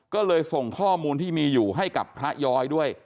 ก็เลยส่งข้อมูลที่มีอยู่ให้กับพระย้อยด้วย